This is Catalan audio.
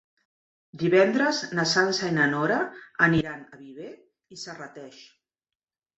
Divendres na Sança i na Nora aniran a Viver i Serrateix.